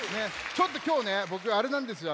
ちょっときょうねぼくあれなんですよ